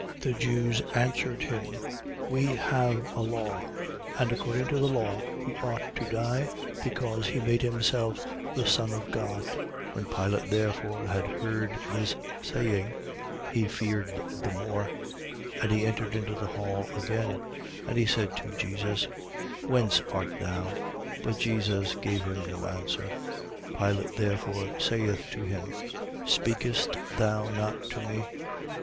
19:7. The Jews answered him: We have a law; and according to the law he ought to die, because he made himself the Son of God. 19:8. When Pilate therefore had heard this saying, he feared the more. 19:9. And he entered into the hall again; and he said to Jesus: Whence art thou? But Jesus gave him no answer. 19:10. Pilate therefore saith to him: Speakest thou not to me?